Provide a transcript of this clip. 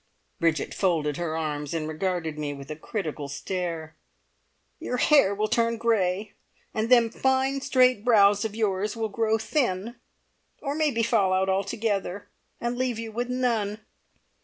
Bridget folded her arms and regarded me with a critical stare. "Your hair will turn grey, and them fine straight brows of yours will grow thin, or maybe fall out altogether, and leave you with none.